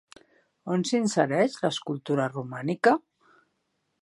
On s'insereix l'escultura romànica?